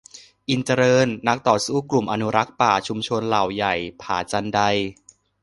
อินทร์เจริญ นักต่อสู้กลุ่มอนุรักษ์ป่าชุมชนเหล่าใหญ่-ผาจันได